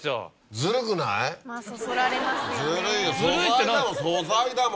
ずるいよ